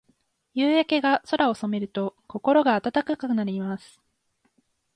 夕焼けが空を染めると、心が温かくなります。